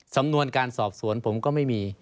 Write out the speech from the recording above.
สำนวนการสอบสวนผมก็ไม่มี